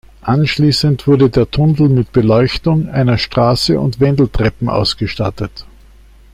Anschließend wurde der Tunnel mit Beleuchtung, einer Straße und Wendeltreppen ausgestattet.